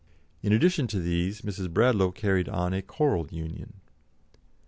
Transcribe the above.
In addition to these Miss Bradlaugh carried on a choral union.